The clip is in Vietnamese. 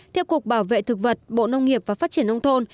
theo cục bảo vệ thực vật bộ nông nghiệp và phát triển nông thôn